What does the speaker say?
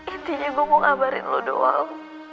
intinya gua mau kabarin lu doang